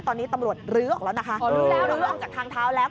ตอนนี้ตำรวจลื้อออกแล้วนะคะอ๋อลื้อแล้วลื้อออกจากทางเท้าแล้ว